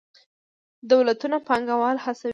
دولتونه پانګوال هڅوي.